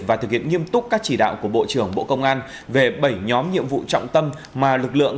và thực hiện nghiêm túc các chỉ đạo của bộ trưởng bộ công an về bảy nhóm nhiệm vụ trọng tâm mà lực lượng